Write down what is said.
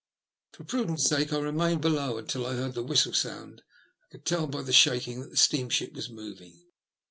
For prudence sake I remained below until I heard the whistle sound and could tell by the shaking that the steamship was moving.